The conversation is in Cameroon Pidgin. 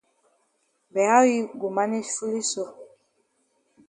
But how yi go manage foolish so?